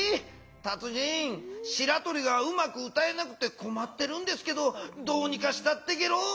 達人しらとりがうまく歌えなくてこまってるんですけどどうにかしたってゲロ。